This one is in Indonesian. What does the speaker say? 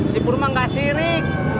si purma enggak sirik